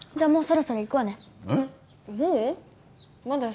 あもうそろそろ行くわねえっ？